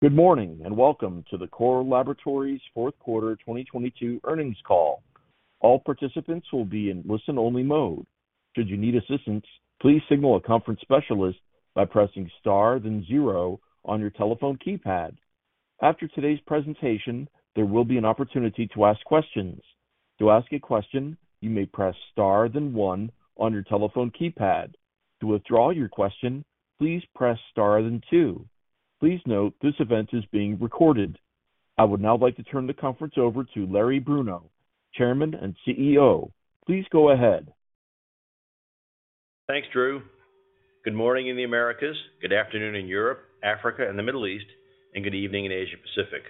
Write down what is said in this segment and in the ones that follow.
Good morning, and welcome to the Core Laboratories fourth quarter 2022 earnings call. All participants will be in listen-only mode. Should you need assistance, please signal a conference specialist by pressing star, then zero on your telephone keypad. After today's presentation, there will be an opportunity to ask questions. To ask a question, you may press star then one on your telephone keypad. To withdraw your question, please press star then two. Please note this event is being recorded. I would now like to turn the conference over to Larry Bruno, Chairman and CEO. Please go ahead. Thanks, Drew. Good morning in the Americas. Good afternoon in Europe, Africa, and the Middle East. Good evening in Asia Pacific.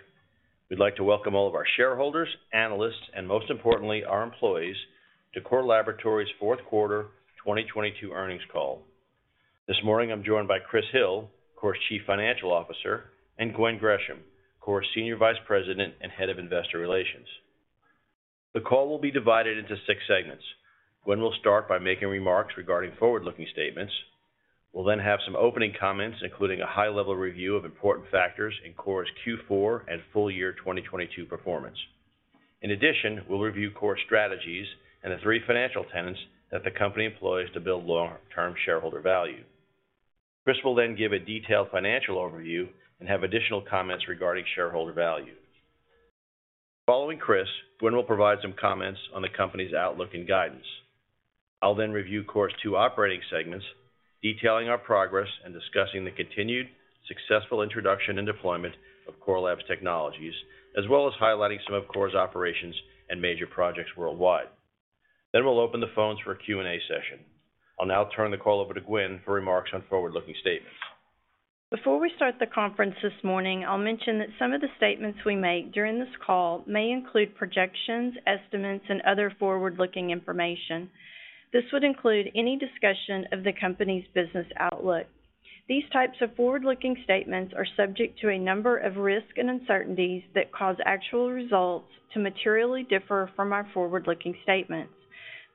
We'd like to welcome all of our shareholders, analysts, and most importantly, our employees to Core Laboratories' fourth quarter 2022 earnings call. This morning, I'm joined by Chris Hill, Core's Chief Financial Officer, and Gwen Gresham, Core's Senior Vice President and Head of Investor Relations. The call will be divided into 6 segments. Gwen will start by making remarks regarding forward-looking statements. We'll have some opening comments, including a high-level review of important factors in Core's Q4 and full year 2022 performance. We'll review Core's strategies and the 3 financial tenants that the company employs to build long-term shareholder value. Chris will give a detailed financial overview and have additional comments regarding shareholder value. Following Chris, Gwen will provide some comments on the company's outlook and guidance. I'll then review Core's two operating segments, detailing our progress and discussing the continued successful introduction and deployment of Core Lab's technologies, as well as highlighting some of Core's operations and major projects worldwide. We'll open the phones for a Q&A session. I'll now turn the call over to Gwen for remarks on forward-looking statements. Before we start the conference this morning, I'll mention that some of the statements we make during this call may include projections, estimates, and other forward-looking information. This would include any discussion of the company's business outlook. These types of forward-looking statements are subject to a number of risks and uncertainties that cause actual results to materially differ from our forward-looking statements.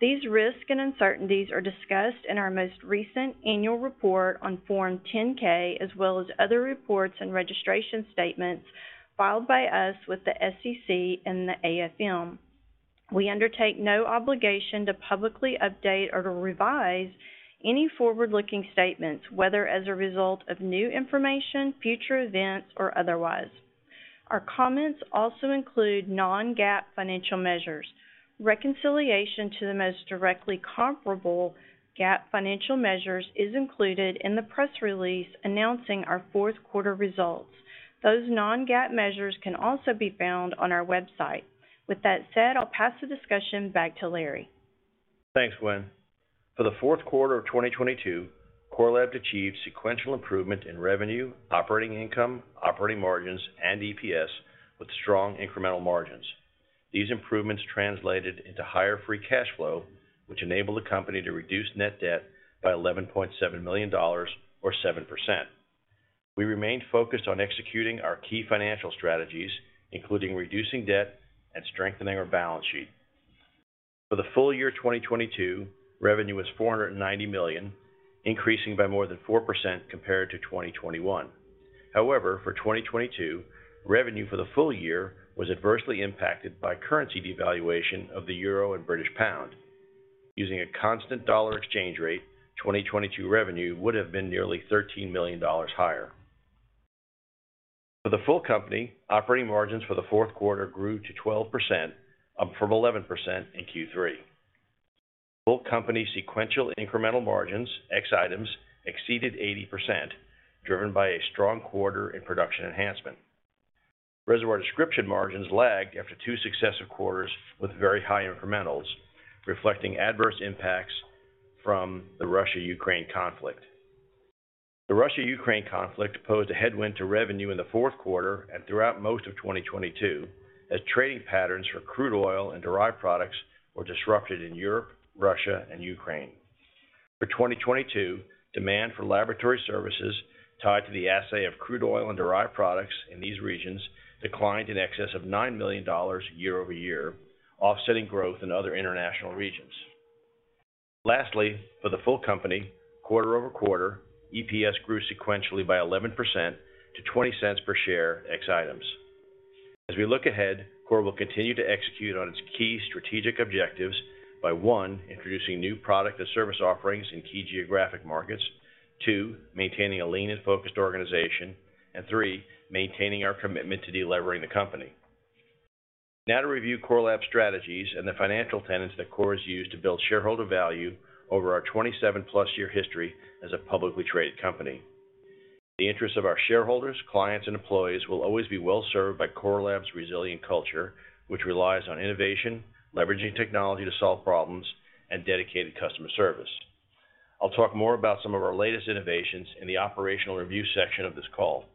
These risks and uncertainties are discussed in our most recent annual report on Form 10-K, as well as other reports and registration statements filed by us with the SEC and the AFM. We undertake no obligation to publicly update or to revise any forward-looking statements, whether as a result of new information, future events, or otherwise. Our comments also include non-GAAP financial measures. Reconciliation to the most directly comparable GAAP financial measures is included in the press release announcing our fourth quarter results. Those non-GAAP measures can also be found on our website. With that said, I'll pass the discussion back to Larry. Thanks, Gwen. For the 4th quarter of 2022, Core Lab achieved sequential improvement in revenue, operating income, operating margins, and EPS with strong incremental margins. These improvements translated into higher free cash flow, which enabled the company to reduce net debt by $11.7 million or 7%. We remained focused on executing our key financial strategies, including reducing debt and strengthening our balance sheet. For the full year 2022, revenue was $490 million, increasing by more than 4% compared to 2021. For 2022, revenue for the full year was adversely impacted by currency devaluation of the euro and British pound. Using a constant dollar exchange rate, 2022 revenue would have been nearly $13 million higher. For the full company, operating margins for the 4th quarter grew to 12%, up from 11% in Q3. Full company sequential incremental margins, ex items, exceeded 80%, driven by a strong quarter in Production Enhancement. Reservoir Description margins lagged after two successive quarters with very high incrementals, reflecting adverse impacts from the Russia-Ukraine conflict. The Russia-Ukraine conflict posed a headwind to revenue in the fourth quarter and throughout most of 2022, as trading patterns for crude oil and derived products were disrupted in Europe, Russia, and Ukraine. For 2022, demand for laboratory services tied to the assay of crude oil and derived products in these regions declined in excess of $9 million year-over-year, offsetting growth in other international regions. For the full company, quarter-over-quarter, EPS grew sequentially by 11% to $0.20 per share, ex items. As we look ahead, Core will continue to execute on its key strategic objectives by, one, introducing new product and service offerings in key geographic markets. Two, maintaining a lean and focused organization. Three, maintaining our commitment to delevering the company. To review Core Lab's strategies and the financial tenants that Core has used to build shareholder value over our 27-plus year history as a publicly traded company. The interests of our shareholders, clients, and employees will always be well served by Core Lab's resilient culture, which relies on innovation, leveraging technology to solve problems, and dedicated customer service. I'll talk more about some of our latest innovations in the operational review section of this call.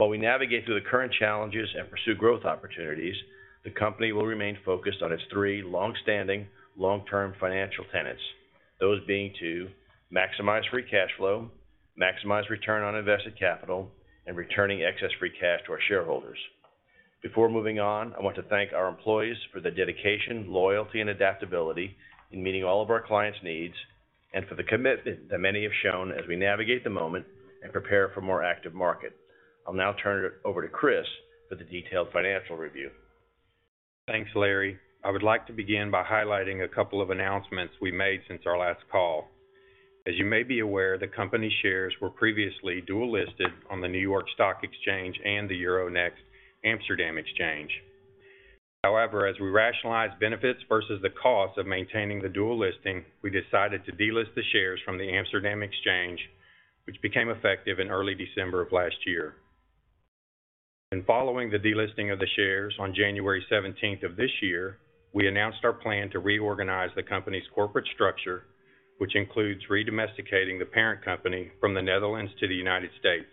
While we navigate through the current challenges and pursue growth opportunities, the company will remain focused on its three long-standing, long-term financial tenants. Those being to maximize free cash flow, maximize return on invested capital, and returning excess free cash to our shareholders. Before moving on, I want to thank our employees for their dedication, loyalty, and adaptability in meeting all of our clients' needs, and for the commitment that many have shown as we navigate the moment and prepare for a more active market. I'll now turn it over to Chris for the detailed financial review. Thanks, Larry. I would like to begin by highlighting a couple of announcements we made since our last call. As you may be aware, the company shares were previously dual-listed on the New York Stock Exchange and the Euronext Amsterdam Exchange. However, as we rationalize benefits versus the cost of maintaining the dual listing, we decided to delist the shares from the Amsterdam Exchange, which became effective in early December of last year. In following the delisting of the shares on January 17th of this year, we announced our plan to reorganize the company's corporate structure, which includes re-domesticating the parent company from the Netherlands to the United States.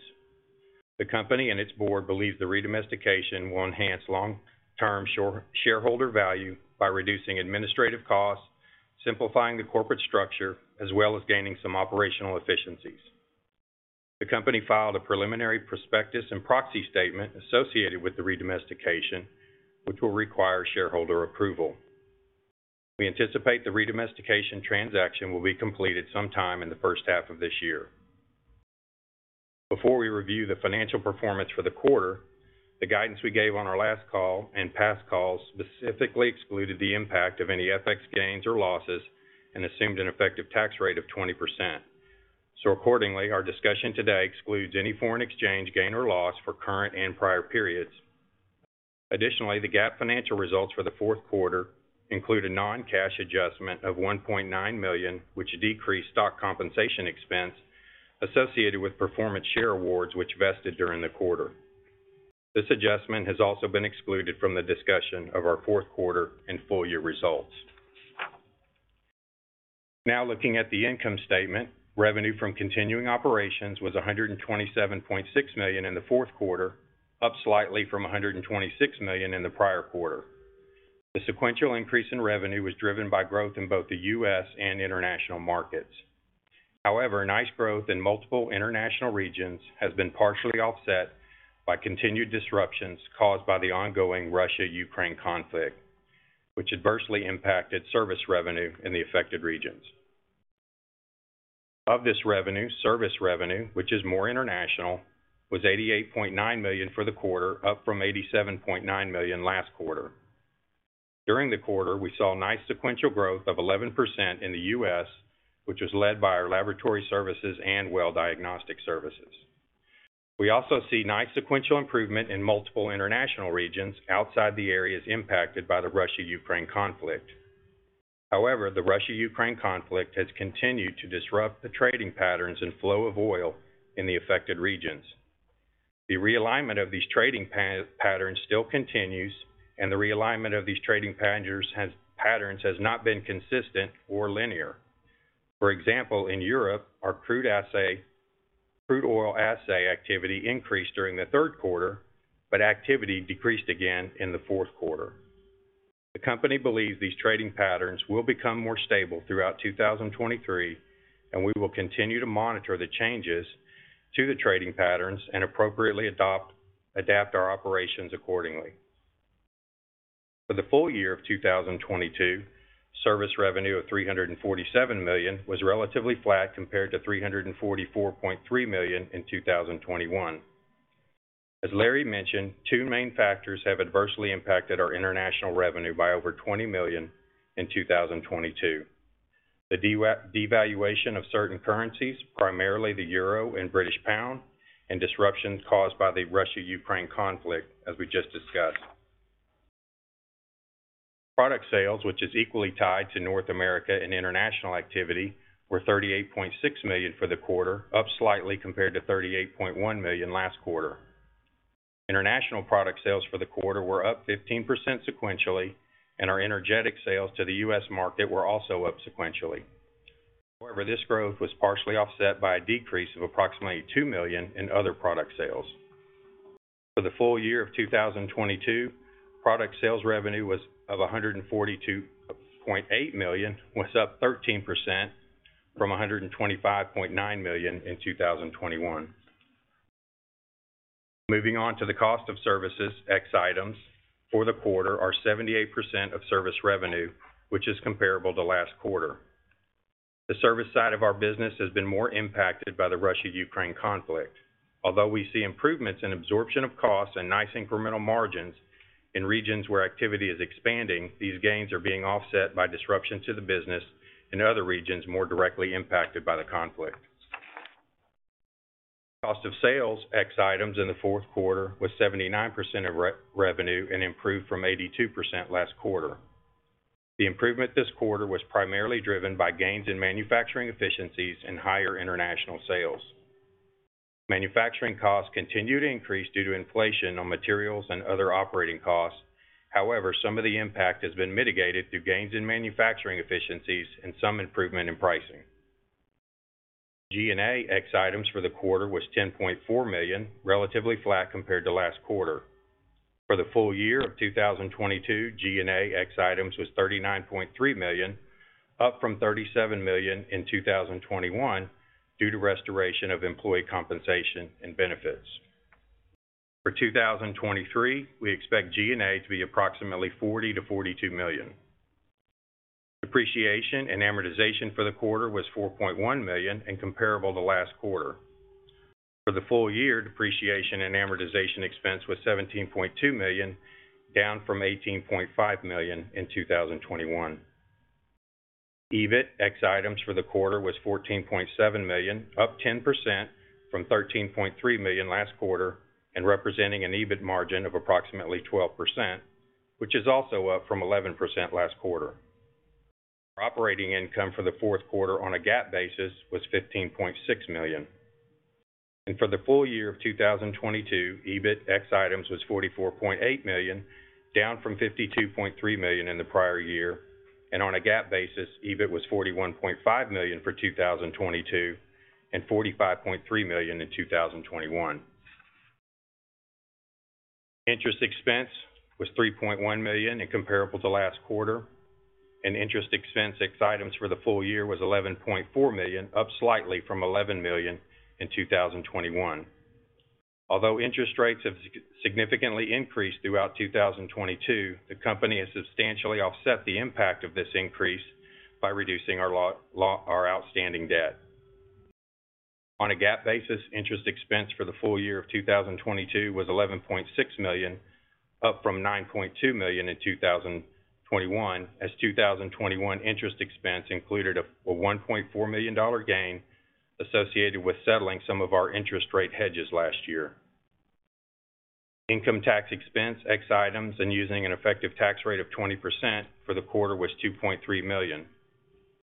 The company and its board believe the re-domestication will enhance long-term shareholder value by reducing administrative costs, simplifying the corporate structure, as well as gaining some operational efficiencies. The company filed a preliminary prospectus and proxy statement associated with the re-domestication, which will require shareholder approval. We anticipate the re-domestication transaction will be completed sometime in the first half of this year. Before we review the financial performance for the quarter, the guidance we gave on our last call and past calls specifically excluded the impact of any FX gains or losses, and assumed an effective tax rate of 20%. Accordingly, our discussion today excludes any foreign exchange gain or loss for current and prior periods. Additionally, the GAAP financial results for the fourth quarter include a non-cash adjustment of $1.9 million, which decreased stock compensation expense associated with performance share awards, which vested during the quarter. This adjustment has also been excluded from the discussion of our fourth quarter and full year results. Now looking at the income statement, revenue from continuing operations was $127.6 million in the fourth quarter, up slightly from $126 million in the prior quarter. The sequential increase in revenue was driven by growth in both the U.S. and international markets. Nice growth in multiple international regions has been partially offset by continued disruptions caused by the ongoing Russia-Ukraine conflict, which adversely impacted service revenue in the affected regions. Of this revenue, service revenue, which is more international, was $88.9 million for the quarter, up from $87.9 million last quarter. During the quarter, we saw nice sequential growth of 11% in the U.S., which was led by our laboratory services and well diagnostic services. We also see nice sequential improvement in multiple international regions outside the areas impacted by the Russia-Ukraine conflict. However, the Russia-Ukraine conflict has continued to disrupt the trading patterns and flow of oil in the affected regions. The realignment of these trading patterns still continues. The realignment of these trading patterns has not been consistent or linear. For example, in Europe, our crude oil assay activity increased during the third quarter, but activity decreased again in the fourth quarter. The company believes these trading patterns will become more stable throughout 2023. We will continue to monitor the changes to the trading patterns and appropriately adapt our operations accordingly. For the full year of 2022, service revenue of $347 million was relatively flat compared to $344.3 million in 2021. As Larry mentioned, two main factors have adversely impacted our international revenue by over $20 million in 2022. The devaluation of certain currencies, primarily the euro and British pound, and disruptions caused by the Russia-Ukraine conflict, as we just discussed. Product sales, which is equally tied to North America and international activity, were $38.6 million for the quarter, up slightly compared to $38.1 million last quarter. International product sales for the quarter were up 15% sequentially, and our energetic sales to the U.S. market were also up sequentially. However, this growth was partially offset by a decrease of approximately $2 million in other product sales. For the full year of 2022, product sales revenue was of $142.8 million, was up 13% from $125.9 million in 2021. Moving on to the cost of services, ex items for the quarter are 78% of service revenue, which is comparable to last quarter. The service side of our business has been more impacted by the Russia-Ukraine conflict. We see improvements in absorption of costs and nice incremental margins in regions where activity is expanding, these gains are being offset by disruptions to the business in other regions more directly impacted by the conflict. Cost of sales, ex items in the fourth quarter was 79% of revenue and improved from 82% last quarter. The improvement this quarter was primarily driven by gains in manufacturing efficiencies and higher international sales. Manufacturing costs continue to increase due to inflation on materials and other operating costs. Some of the impact has been mitigated through gains in manufacturing efficiencies and some improvement in pricing. G&A ex items for the quarter was $10.4 million, relatively flat compared to last quarter. For the full year of 2022, G&A ex items was $39.3 million, up from $37 million in 2021 due to restoration of employee compensation and benefits. For 2023, we expect G&A to be approximately $40 million-$42 million. Depreciation and amortization for the quarter was $4.1 million and comparable to last quarter. For the full year, depreciation and amortization expense was $17.2 million, down from $18.5 million in 2021. EBIT ex items for the quarter was $14.7 million, up 10% from $13.3 million last quarter and representing an EBIT margin of approximately 12%, which is also up from 11% last quarter. Operating income for the fourth quarter on a GAAP basis was $15.6 million. For the full year of 2022, EBIT ex items was $44.8 million, down from $52.3 million in the prior year. On a GAAP basis, EBIT was $41.5 million for 2022 and $45.3 million in 2021. Interest expense was $3.1 million and comparable to last quarter. Interest expense ex items for the full year was $11.4 million, up slightly from $11 million in 2021. Although interest rates have significantly increased throughout 2022, the company has substantially offset the impact of this increase by reducing our outstanding debt. On a GAAP basis, interest expense for the full year of 2022 was $11.6 million, up from $9.2 million in 2021, as 2021 interest expense included a $1.4 million gain associated with settling some of our interest rate hedges last year. Income tax expense ex items and using an effective tax rate of 20% for the quarter was $2.3 million.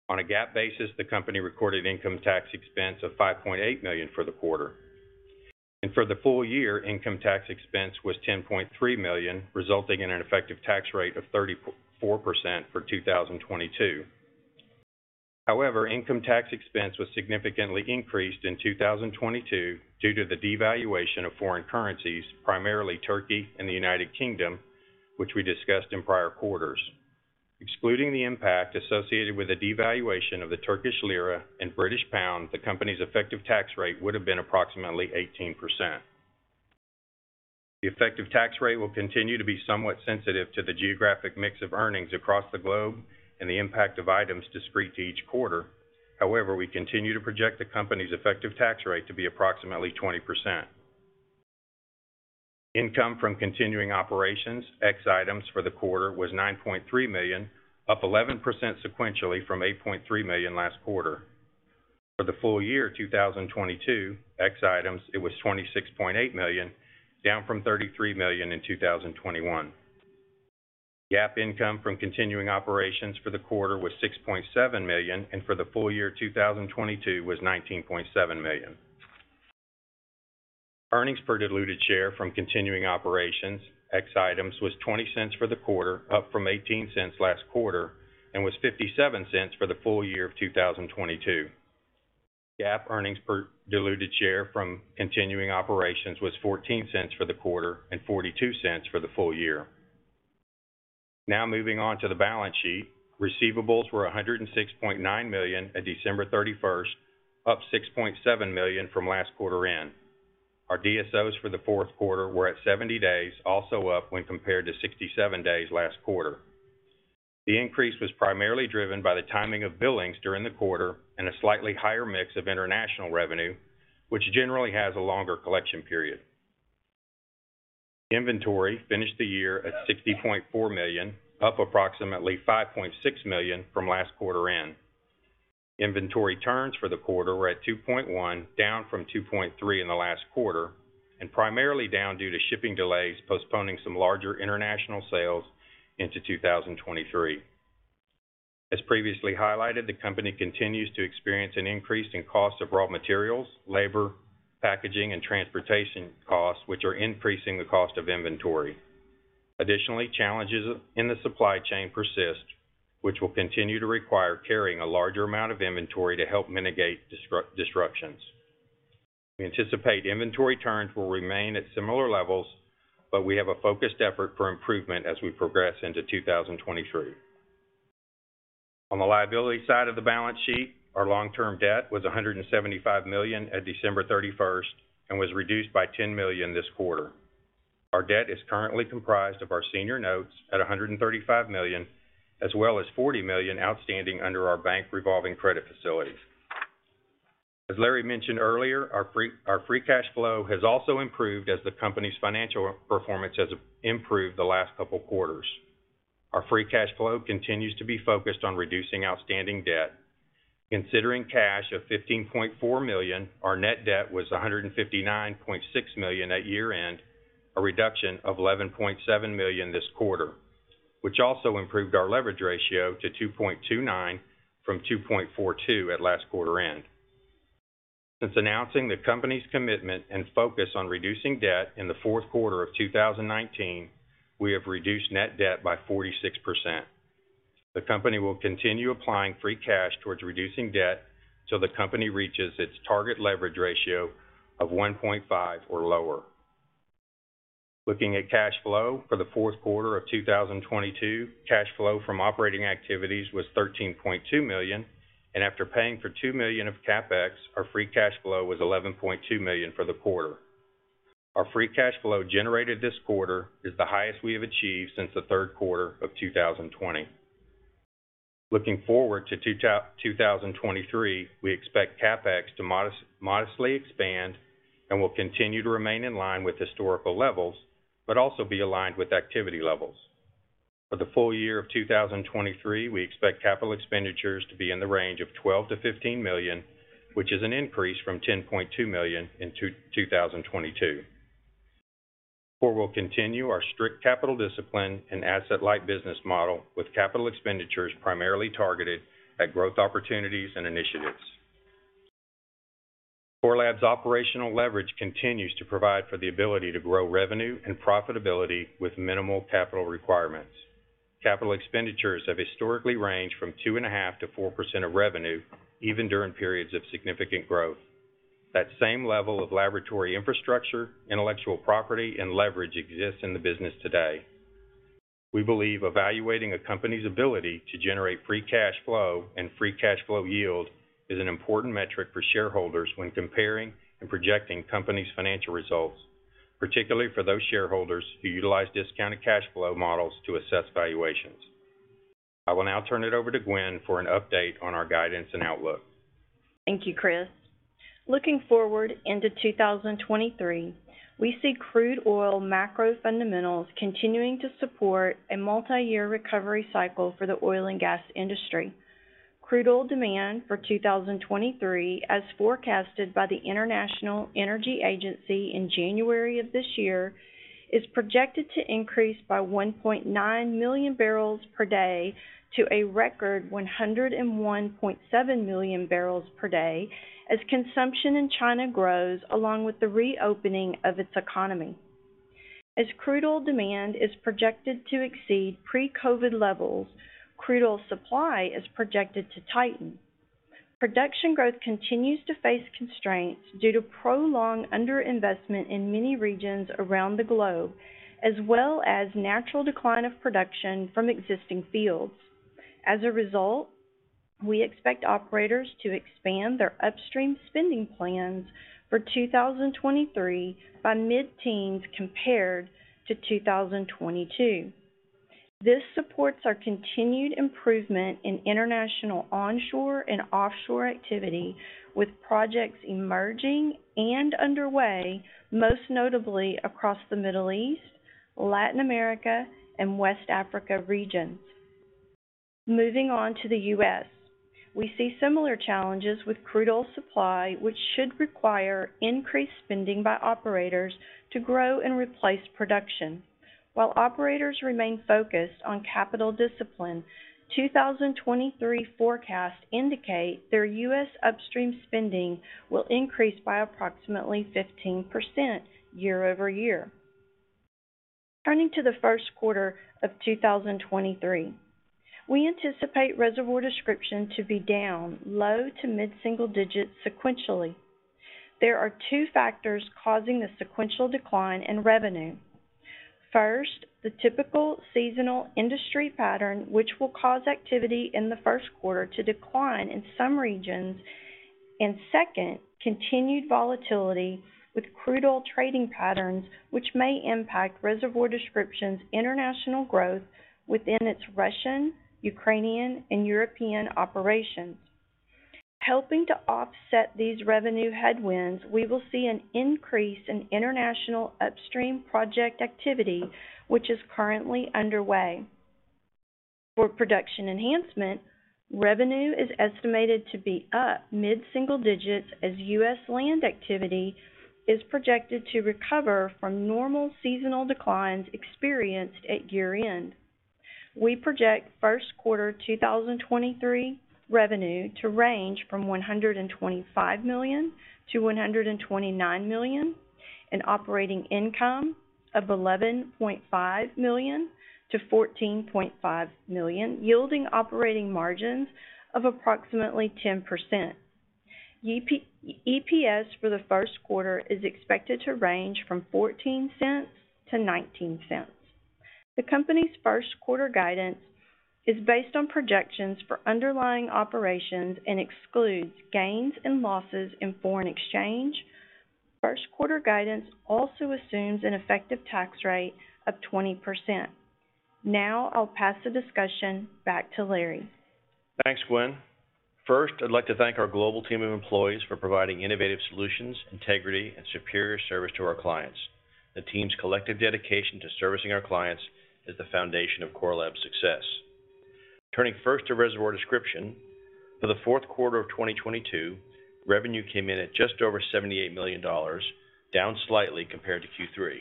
On a GAAP basis, the company recorded income tax expense of $5.8 million for the quarter. For the full year, income tax expense was $10.3 million, resulting in an effective tax rate of 34% for 2022. However, income tax expense was significantly increased in 2022 due to the devaluation of foreign currencies, primarily Turkey and the United Kingdom, which we discussed in prior quarters. Excluding the impact associated with the devaluation of the Turkish lira and British pound, the company's effective tax rate would have been approximately 18%. The effective tax rate will continue to be somewhat sensitive to the geographic mix of earnings across the globe and the impact of items discrete to each quarter. However, we continue to project the company's effective tax rate to be approximately 20%. Income from continuing operations ex items for the quarter was $9.3 million, up 11% sequentially from $8.3 million last quarter. For the full year 2022, ex items, it was $26.8 million, down from $33 million in 2021. GAAP income from continuing operations for the quarter was $6.7 million, for the full year 2022 was $19.7 million. Earnings per diluted share from continuing operations ex items was $0.20 for the quarter, up from $0.18 last quarter, and was $0.57 for the full year of 2022. GAAP earnings per diluted share from continuing operations was $0.14 for the quarter and $0.42 for the full year. Moving on to the balance sheet. Receivables were $106.9 million at December 31st, up $6.7 million from last quarter end. Our DSOs for the 4th quarter were at 70 days, also up when compared to 67 days last quarter. The increase was primarily driven by the timing of billings during the quarter and a slightly higher mix of international revenue, which generally has a longer collection period. Inventory finished the year at $60.4 million, up approximately $5.6 million from last quarter end. Inventory turns for the quarter were at 2.1, down from 2.3 in the last quarter. Primarily down due to shipping delays postponing some larger international sales into 2023. As previously highlighted, the company continues to experience an increase in cost of raw materials, labor, packaging, and transportation costs, which are increasing the cost of inventory. Additionally, challenges in the supply chain persist, which will continue to require carrying a larger amount of inventory to help mitigate disruptions. We anticipate inventory turns will remain at similar levels. We have a focused effort for improvement as we progress into 2023. On the liability side of the balance sheet, our long-term debt was $175 million at December 31st and was reduced by $10 million this quarter. Our debt is currently comprised of our senior notes at $135 million, as well as $40 million outstanding under our bank revolving credit facilities. As Larry mentioned earlier, our free cash flow has also improved as the company's financial performance has improved the last couple quarters. Our free cash flow continues to be focused on reducing outstanding debt. Considering cash of $15.4 million, our net debt was $159.6 million at year-end, a reduction of $11.7 million this quarter, which also improved our leverage ratio to 2.29 from 2.42 at last quarter-end. Since announcing the company's commitment and focus on reducing debt in the fourth quarter of 2019, we have reduced net debt by 46%. The company will continue applying free cash towards reducing debt till the company reaches its target leverage ratio of 1.5 or lower. Looking at cash flow for the fourth quarter of 2022, cash flow from operating activities was $13.2 million, and after paying for $2 million of CapEx, our free cash flow was $11.2 million for the quarter. Our free cash flow generated this quarter is the highest we have achieved since the third quarter of 2020. Looking forward to 2023, we expect CapEx to modestly expand and will continue to remain in line with historical levels, but also be aligned with activity levels. For the full year of 2023, we expect capital expenditures to be in the range of $12 million-$15 million, which is an increase from $10.2 million in 2022. Core will continue our strict capital discipline and asset-light business model with capital expenditures primarily targeted at growth opportunities and initiatives. Core Lab's operational leverage continues to provide for the ability to grow revenue and profitability with minimal capital requirements. Capital expenditures have historically ranged from 2.5%-4% of revenue even during periods of significant growth. That same level of laboratory infrastructure, intellectual property, and leverage exists in the business today. We believe evaluating a company's ability to generate free cash flow and free cash flow yield is an important metric for shareholders when comparing and projecting company's financial results, particularly for those shareholders who utilize discounted cash flow models to assess valuations. I will now turn it over to Gwen for an update on our guidance and outlook. Thank you, Chris. Looking forward into 2023, we see crude oil macro fundamentals continuing to support a multi-year recovery cycle for the oil and gas industry. Crude oil demand for 2023, as forecasted by the International Energy Agency in January of this year, is projected to increase by 1.9 MMbpd to a record 101.7 MMbpd as consumption in China grows along with the reopening of its economy. Crude oil demand is projected to exceed pre-COVID levels, crude oil supply is projected to tighten. Production growth continues to face constraints due to prolonged under-investment in many regions around the globe, as well as natural decline of production from existing fields. We expect operators to expand their upstream spending plans for 2023 by mid-teens compared to 2022. This supports our continued improvement in international onshore and offshore activity with projects emerging and underway, most notably across the Middle East, Latin America, and West Africa regions. Moving on to the U.S., we see similar challenges with crude oil supply, which should require increased spending by operators to grow and replace production. While operators remain focused on capital discipline, 2023 forecasts indicate their U.S. upstream spending will increase by approximately 15% year-over-year. Turning to the first quarter of 2023, we anticipate Reservoir Description to be down low to mid-single digits sequentially. There are two factors causing the sequential decline in revenue. First, the typical seasonal industry pattern, which will cause activity in the first quarter to decline in some regions. Second, continued volatility with crude oil trading patterns, which may impact Reservoir Description's international growth within its Russian, Ukrainian, and European operations. Helping to offset these revenue headwinds, we will see an increase in international upstream project activity, which is currently underway. Production Enhancement, revenue is estimated to be up mid-single digits as U.S. land activity is projected to recover from normal seasonal declines experienced at year-end. We project first quarter 2023 revenue to range from $125 million-$129 million, and operating income of $11.5 million-$14.5 million, yielding operating margins of approximately 10%. EPS for the first quarter is expected to range from $0.14-$0.19. The company's first quarter guidance is based on projections for underlying operations and excludes gains and losses in foreign exchange. First quarter guidance also assumes an effective tax rate of 20%. Now, I'll pass the discussion back to Larry. Thanks, Gwen. First, I'd like to thank our global team of employees for providing innovative solutions, integrity, and superior service to our clients. The team's collective dedication to servicing our clients is the foundation of Core Lab's success. Turning first to Reservoir Description. For the fourth quarter of 2022, revenue came in at just over $78 million, down slightly compared to Q3.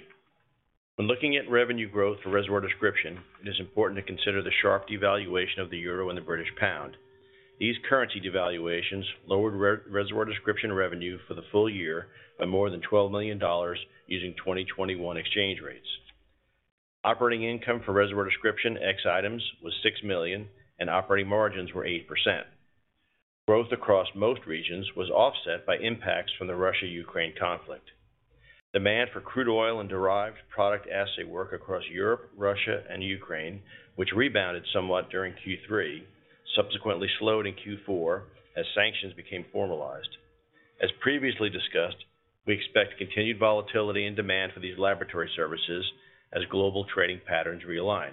When looking at revenue growth for Reservoir Description, it is important to consider the sharp devaluation of the euro and the British pound. These currency devaluations lowered Reservoir Description revenue for the full year by more than $12 million using 2021 exchange rates. Operating income for Reservoir Description ex items was $6 million, and operating margins were 8%. Growth across most regions was offset by impacts from the Russia-Ukraine conflict. Demand for crude oil and derived product assay work across Europe, Russia, and Ukraine, which rebounded somewhat during Q three. Subsequently slowed in Q4 as sanctions became formalized. Previously discussed, we expect continued volatility and demand for these laboratory services as global trading patterns realign.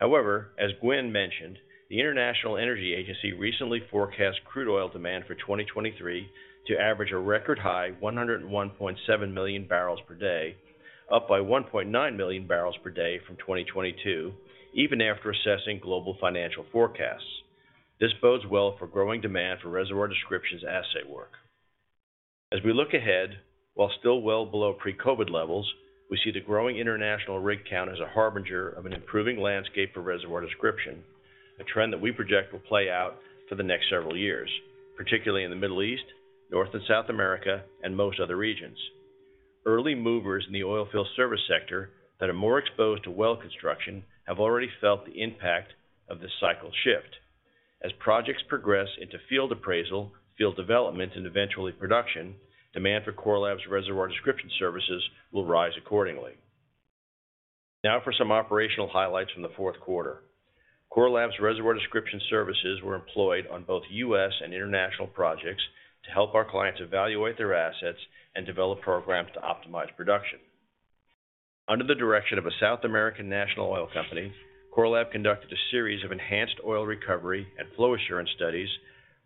As Gwen mentioned, the International Energy Agency recently forecast crude oil demand for 2023 to average a record high 101.7 MMbpd, up by 1.9 MMbpd from 2022, even after assessing global financial forecasts. This bodes well for growing demand for Reservoir descriptions asset work. As we look ahead, while still well below pre-COVID levels, we see the growing international rig count as a harbinger of an improving landscape for Reservoir Description, a trend that we project will play out for the next several years, particularly in the Middle East, North and South America, and most other regions. Early movers in the oil field service sector that are more exposed to well construction have already felt the impact of this cycle shift. As projects progress into field appraisal, field development, and eventually production, demand for Core Lab's Reservoir Description services will rise accordingly. For some operational highlights from the fourth quarter. Core Lab's Reservoir Description services were employed on both U.S. and international projects to help our clients evaluate their assets and develop programs to optimize production. Under the direction of a South American national oil company, Core Lab conducted a series of enhanced oil recovery and flow assurance studies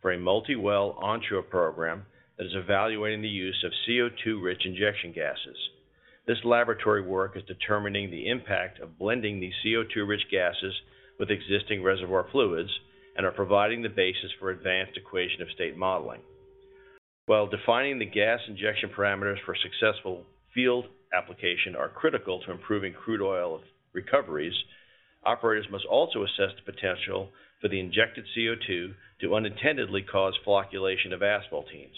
for a multi-well onshore program that is evaluating the use of CO2-rich injection gases. This laboratory work is determining the impact of blending these CO2-rich gases with existing reservoir fluids and are providing the basis for advanced equation of state modeling. While defining the gas injection parameters for successful field application are critical to improving crude oil recoveries, operators must also assess the potential for the injected CO2 to unintendedly cause flocculation of asphaltenes.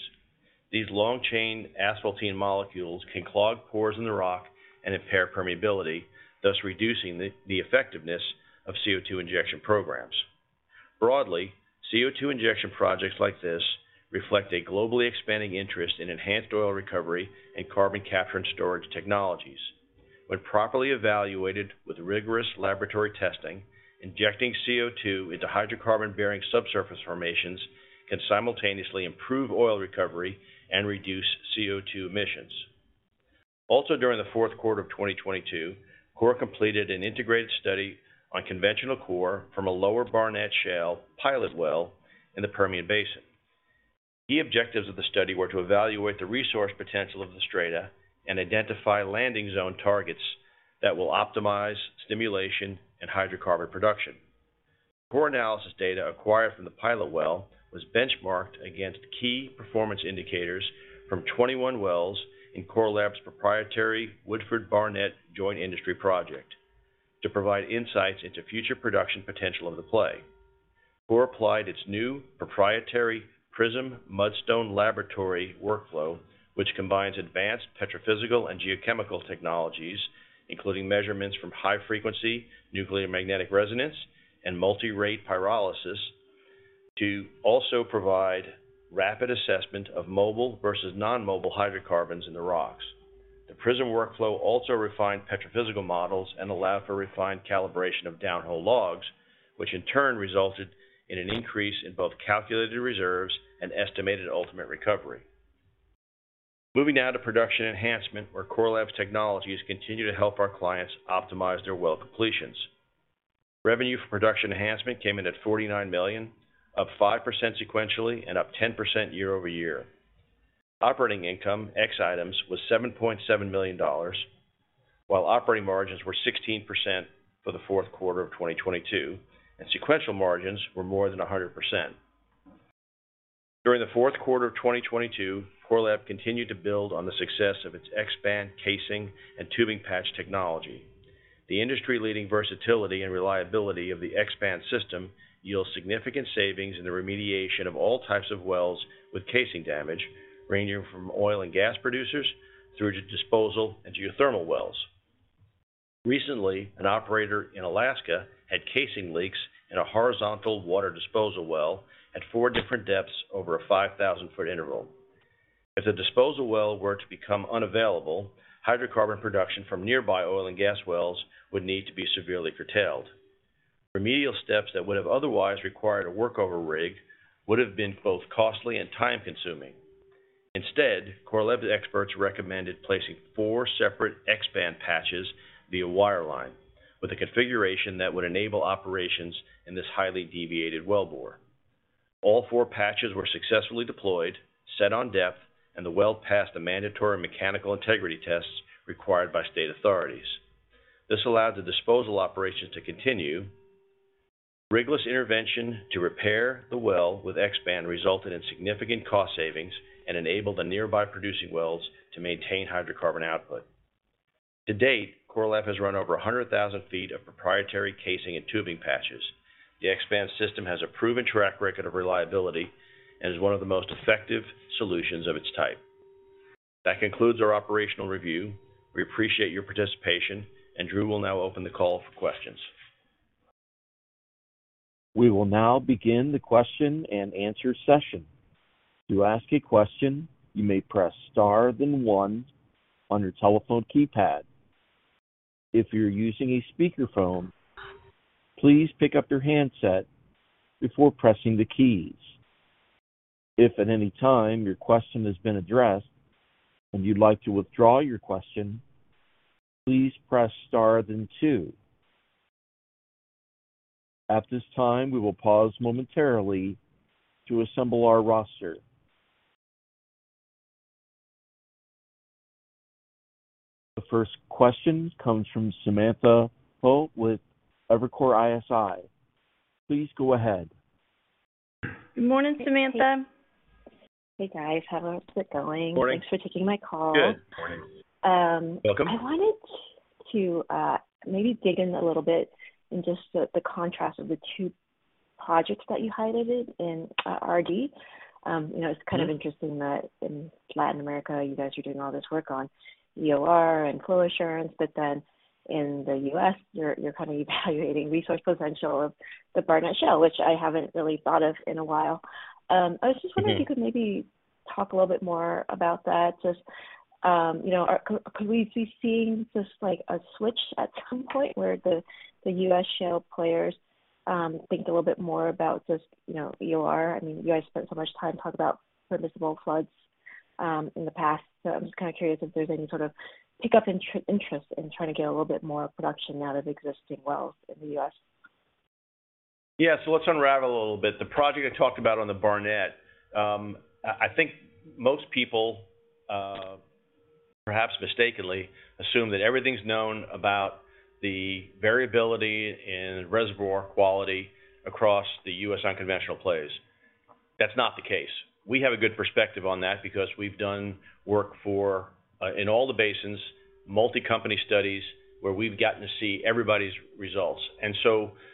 These long-chain asphaltene molecules can clog pores in the rock and impair permeability, thus reducing the effectiveness of CO2 injection programs. Broadly, CO2 injection projects like this reflect a globally expanding interest in enhanced oil recovery and carbon capture and storage technologies. When properly evaluated with rigorous laboratory testing, injecting CO2 into hydrocarbon-bearing subsurface formations can simultaneously improve oil recovery and reduce CO2 emissions. Also during the fourth quarter of 2022, Core completed an integrated study on conventional core from a lower Barnett shale pilot well in the Permian Basin. Key objectives of the study were to evaluate the resource potential of the strata and identify landing zone targets that will optimize stimulation and hydrocarbon production. Core analysis data acquired from the pilot well was benchmarked against key performance indicators from 21 wells in Core Lab's proprietary Woodford-Barnett Joint Industry Project to provide insights into future production potential of the play. Core applied its new proprietary PRISM mudstone laboratory workflow, which combines advanced petrophysical and geochemical technologies, including measurements from high-frequency nuclear magnetic resonance and multi-rate pyrolysis, to also provide rapid assessment of mobile versus non-mobile hydrocarbons in the rocks. The PRISM workflow also refined petrophysical models and allowed for refined calibration of downhole logs, which in turn resulted in an increase in both calculated reserves and estimated ultimate recovery. Moving now to Production Enhancement, where Core Lab's technologies continue to help our clients optimize their well completions. Revenue for Production Enhancement came in at $49 million, up 5% sequentially and up 10% year-over-year. Operating income, ex items, was $7.7 million, while operating margins were 16% for the fourth quarter of 2022, and sequential margins were more than 100%. During the fourth quarter of 2022, Core Lab continued to build on the success of its X-SPAN casing and tubing patch technology. The industry-leading versatility and reliability of the X-SPAN system yields significant savings in the remediation of all types of wells with casing damage, ranging from oil and gas producers through to disposal and geothermal wells. Recently, an operator in Alaska had casing leaks in a horizontal water disposal well at four different depths over a 5,000 foot interval. If the disposal well were to become unavailable, hydrocarbon production from nearby oil and gas wells would need to be severely curtailed. Remedial steps that would have otherwise required a workover rig would have been both costly and time-consuming. Instead, Core Lab's experts recommended placing four separate X-SPAN patches via wireline, with a configuration that would enable operations in this highly deviated wellbore. All four patches were successfully deployed, set on depth, and the well passed the mandatory mechanical integrity tests required by state authorities. This allowed the disposal operations to continue. Rigless intervention to repair the well with X-SPAN resulted in significant cost savings and enabled the nearby producing wells to maintain hydrocarbon output. To date, Core Lab has run over 100,000 feet of proprietary casing and tubing patches. The X-SPAN system has a proven track record of reliability and is one of the most effective solutions of its type. That concludes our operational review. We appreciate your participation, and Drew will now open the call for questions. We will now begin the question and answer session. To ask a question, you may press star then one on your telephone keypad. If you're using a speakerphone, please pick up your handset before pressing the keys. If at any time your question has been addressed and you'd like to withdraw your question, please press star then two. At this time, we will pause momentarily to assemble our roster. The first question comes from Samantha Hoh with Evercore ISI. Please go ahead. Good morning, Samantha. Hey, guys. How's it going? Morning. Thanks for taking my call. Good. Morning. Welcome. I wanted to, maybe dig in a little bit in just the contrast of the two projects that you highlighted in, RD. you know. Mm-hmm. It's kind of interesting that in Latin America, you guys are doing all this work on EOR and flow assurance, but then in the US, you're kind of evaluating resource potential of the Barnett Shale, which I haven't really thought of in a while. I was just wondering... Mm-hmm. If you could maybe talk a little bit more about that. Just, you know, could we be seeing just, like, a switch at some point where the U.S. shale players think a little bit more about just, you know, EOR? I mean, you guys spent so much time talking about miscible floods in the past, so I'm just kinda curious if there's any sort of pickup interest in trying to get a little bit more production out of existing wells in the U.S. Yeah. Let's unravel a little bit. The project I talked about on the Barnett, I think most people perhaps mistakenly assume that everything's known about the variability in reservoir quality across the U.S. unconventional plays. That's not the case. We have a good perspective on that because we've done work for in all the basins, multi-company studies where we've gotten to see everybody's results.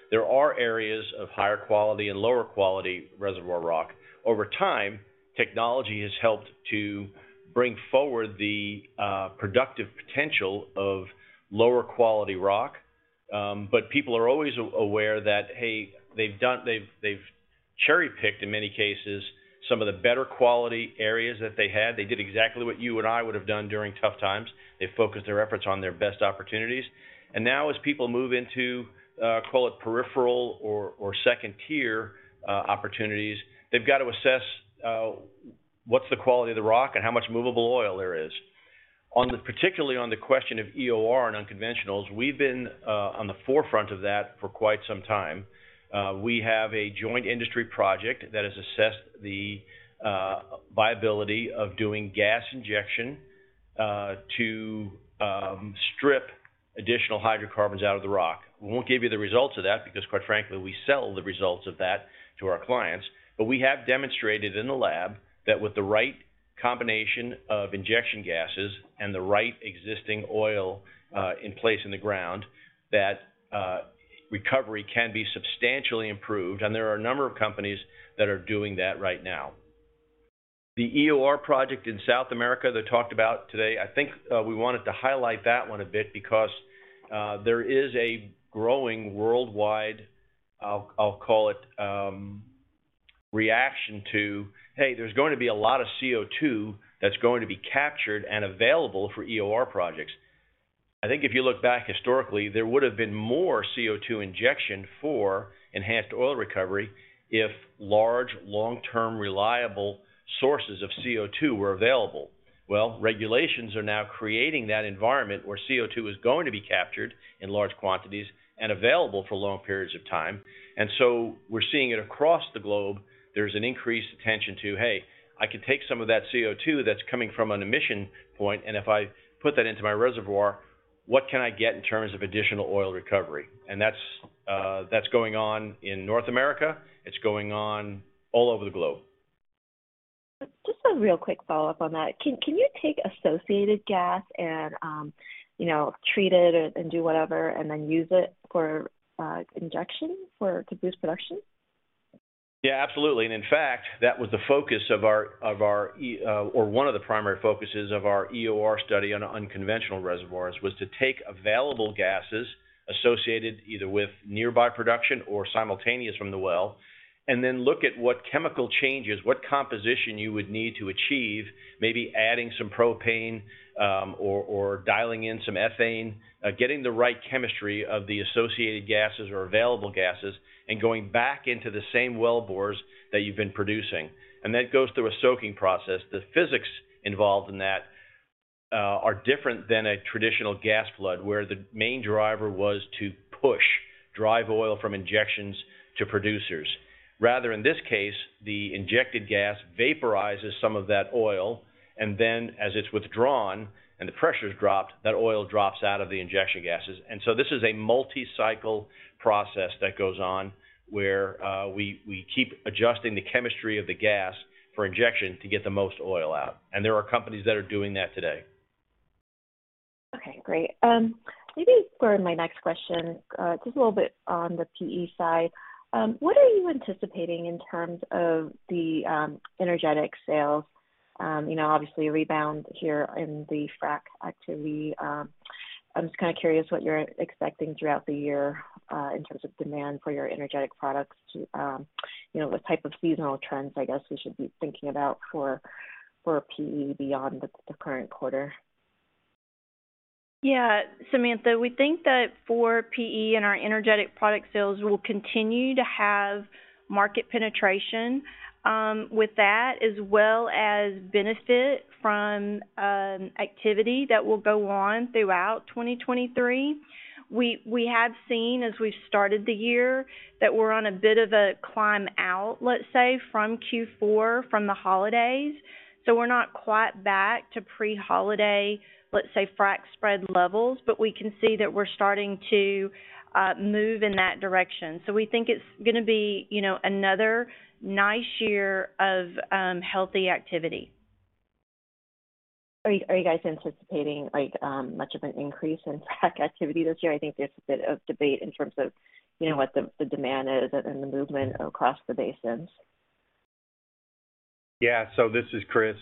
There are areas of higher quality and lower quality reservoir rock. Over time, technology has helped to bring forward the productive potential of lower quality rock. People are always aware that, hey, they've cherry-picked, in many cases, some of the better quality areas that they had. They did exactly what you and I would have done during tough times. They focused their efforts on their best opportunities. Now as people move into, call it peripheral or second tier opportunities, they've got to assess what's the quality of the rock and how much movable oil there is. Particularly on the question of EOR and unconventionals, we've been on the forefront of that for quite some time. We have a joint industry project that has assessed the viability of doing gas injection to strip additional hydrocarbons out of the rock. We won't give you the results of that because, quite frankly, we sell the results of that to our clients. We have demonstrated in the lab that with the right combination of injection gases and the right existing oil in place in the ground, that recovery can be substantially improved. There are a number of companies that are doing that right now. The EOR project in South America that I talked about today, I think, we wanted to highlight that one a bit because there is a growing worldwide, I'll call it, reaction to, hey, there's going to be a lot of CO2 that's going to be captured and available for EOR projects. I think if you look back historically, there would have been more CO2 injection for enhanced oil recovery if large, long-term, reliable sources of CO2 were available. Well, regulations are now creating that environment where CO2 is going to be captured in large quantities and available for long periods of time. We're seeing it across the globe. There's an increased attention to, hey, I could take some of that CO2 that's coming from an emission point, and if I put that into my reservoir, what can I get in terms of additional oil recovery? That's going on in North America. It's going on all over the globe. Just a real quick follow-up on that. Can you take associated gas and, you know, treat it and do whatever and then use it for injection to boost production? Absolutely. In fact, that was the focus of our, or one of the primary focuses of our EOR study on unconventional reservoirs, was to take available gases associated either with nearby production or simultaneous from the well, and then look at what chemical changes, what composition you would need to achieve, maybe adding some propane, or dialing in some ethane, getting the right chemistry of the associated gases or available gases and going back into the same wellbores that you've been producing. That goes through a soaking process. The physics involved in that are different than a traditional gas flood, where the main driver was to push drive oil from injections to producers. In this case, the injected gas vaporizes some of that oil, and then as it's withdrawn and the pressure's dropped, that oil drops out of the injection gases. This is a multi-cycle process that goes on where we keep adjusting the chemistry of the gas for injection to get the most oil out. There are companies that are doing that today. Okay, great. Maybe for my next question, just a little bit on the PE side. What are you anticipating in terms of the energetic sales? You know, obviously a rebound here in the frack activity. I'm just kind of curious what you're expecting throughout the year, in terms of demand for your energetic products to, you know, what type of seasonal trends, I guess, we should be thinking about for? For PE beyond the current quarter. Yeah, Samantha, we think that for PE and our energetic product sales will continue to have market penetration with that, as well as benefit from activity that will go on throughout 2023. We have seen as we've started the year that we're on a bit of a climb out, let's say, from Q4, from the holidays. We're not quite back to pre-holiday, let's say, frac spread levels, but we can see that we're starting to move in that direction. We think it's gonna be, you know, another nice year of healthy activity. Are you guys anticipating like much of an increase in frac activity this year? I think there's a bit of debate in terms of, you know, what the demand is and the movement across the basins. This is Chris.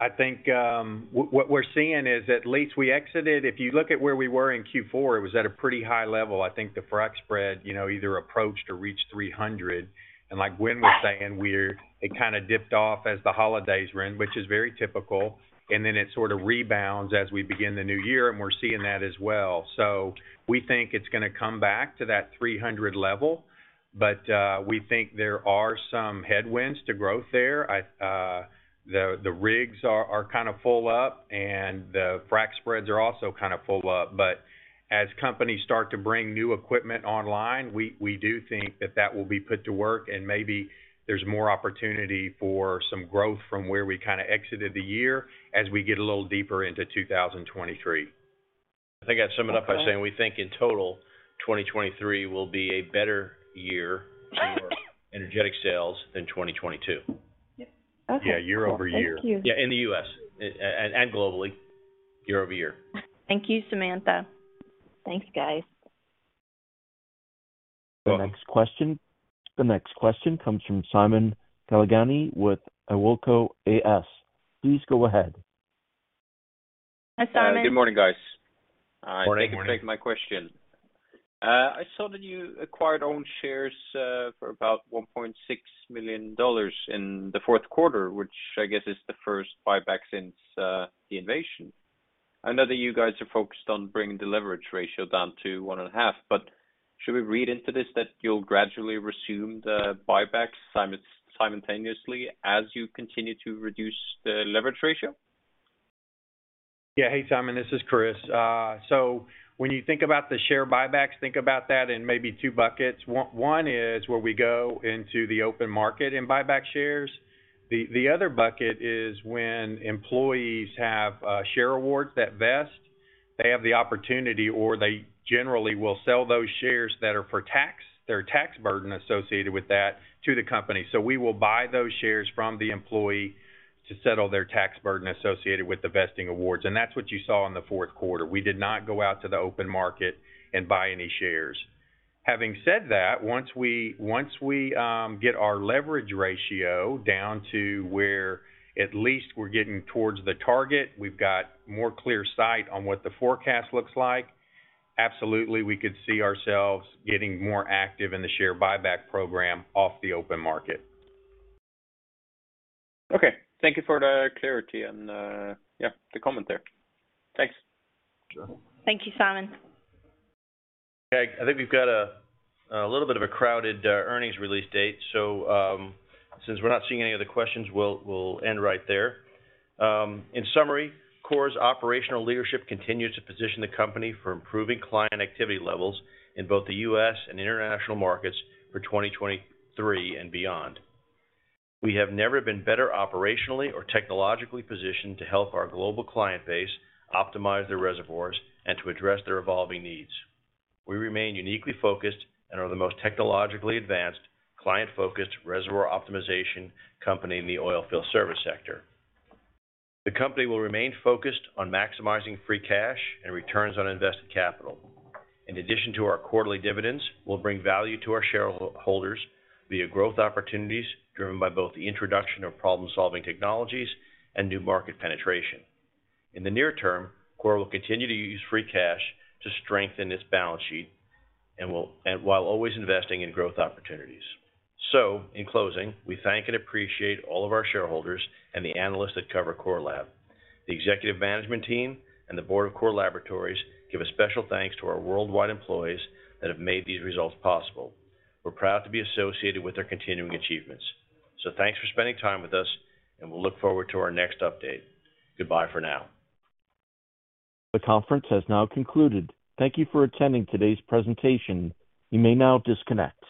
I think what we're seeing is at least we exited. If you look at where we were in Q4, it was at a pretty high level. I think the frac spread, you know, either approached or reached 300. Like Gwen was saying, it kinda dipped off as the holidays were in, which is very typical, and then it sort of rebounds as we begin the new year, and we're seeing that as well. We think it's gonna come back to that 300 level. We think there are some headwinds to growth there. The rigs are kind of full up, and the frac spreads are also kind of full up. As companies start to bring new equipment online, we do think that that will be put to work, and maybe there's more opportunity for some growth from where we kinda exited the year as we get a little deeper into 2023. I think I'd sum it up by saying we think in total, 2023 will be a better year for energetic sales than 2022. Okay. Yeah, year-over-year. Thank you. Yeah, in the U.S., and globally, year-over-year. Thank you, Samantha. Thanks, guys. You're welcome. The next question comes from Simon Galligan with Awilco AS. Please go ahead. Hi, Simon. Good morning, guys. Morning. Thank you for taking my question. I saw that you acquired own shares for about $1.6 million in the fourth quarter, which I guess is the first buyback since the invasion. I know that you guys are focused on bringing the leverage ratio down to 1.5. Should we read into this that you'll gradually resume the buybacks simultaneously as you continue to reduce the leverage ratio? Yeah. Hey, Simon, this is Chris. When you think about the share buybacks, think about that in maybe two buckets. One is where we go into the open market and buy back shares. The other bucket is when employees have share awards that vest. They have the opportunity, or they generally will sell those shares that are for tax, their tax burden associated with that, to the company. We will buy those shares from the employee to settle their tax burden associated with the vesting awards, and that's what you saw in the fourth quarter. We did not go out to the open market and buy any shares. Having said that, once we get our leverage ratio down to where at least we're getting towards the target, we've got more clear sight on what the forecast looks like, absolutely we could see ourselves getting more active in the share buyback program off the open market. Okay. Thank you for the clarity and, yeah, the comment there. Thanks. Sure. Thank you, Simon. Okay. I think we've got a little bit of a crowded earnings release date. Since we're not seeing any other questions, we'll end right there. In summary, Core's operational leadership continues to position the company for improving client activity levels in both the U.S. and international markets for 2023 and beyond. We have never been better operationally or technologically positioned to help our global client base optimize their reservoirs and to address their evolving needs. We remain uniquely focused and are the most technologically advanced, client-focused reservoir optimization company in the oilfield service sector. The company will remain focused on maximizing free cash and returns on invested capital. In addition to our quarterly dividends, we'll bring value to our shareholders via growth opportunities driven by both the introduction of problem-solving technologies and new market penetration. In the near term, Core will continue to use free cash to strengthen its balance sheet and while always investing in growth opportunities. In closing, we thank and appreciate all of our shareholders and the analysts that cover Core Lab. The executive management team and the board of Core Laboratories give a special thanks to our worldwide employees that have made these results possible. We're proud to be associated with their continuing achievements. Thanks for spending time with us, and we'll look forward to our next update. Goodbye for now. The conference has now concluded. Thank you for attending today's presentation. You may now disconnect.